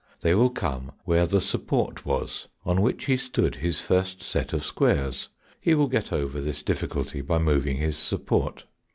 They will come where the support was on which he stood his first set of squares. He will get over this difficulty by moving his support.